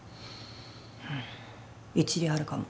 うーん一理あるかも。